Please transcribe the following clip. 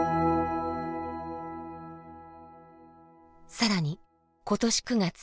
更に今年９月。